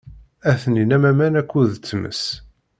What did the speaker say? Atenin am aman akked tmes.